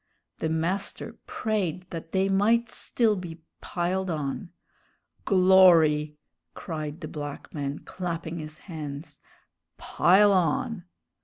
The master prayed that they might still be "piled on." "Glory!" cried the black man, clapping his hands; "pile on!"